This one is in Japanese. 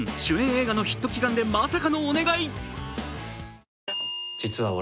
映画のヒット祈願でまさかのお願い！